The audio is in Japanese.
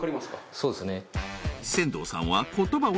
そうですね